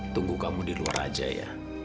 tunggu kamu di luar aja ya